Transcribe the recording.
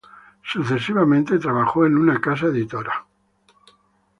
Sucesivamente trabajó en una casa editora.